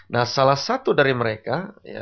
nah salah satu dari mereka